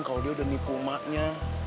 kalau dia udah nipu emaknya